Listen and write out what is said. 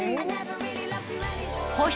保湿